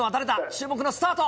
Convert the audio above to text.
注目のスタート。